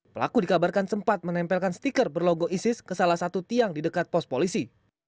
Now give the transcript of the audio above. pelaku dikabarkan sempat menempelkan stiker berlogo isis ke salah satu tiang di dekat pos polisi